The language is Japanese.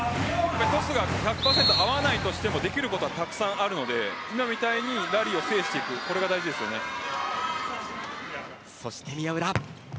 トスが１００％合わないとしてもできることはたくさんあるので今みたいにラリーを制していくそして宮浦。